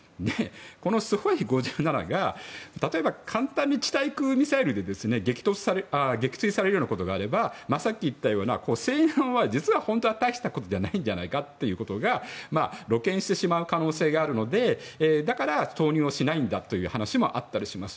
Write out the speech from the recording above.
このスホイ５７が例えば、簡単に地対空ミサイルで撃墜されるようなことがあればさっき言ったように性能は本当は大したことがないんじゃないかということが露見してしまう可能性があるのでだから投入しないんだという話もあったりします。